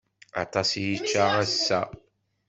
Aṭas i yečča ass-a.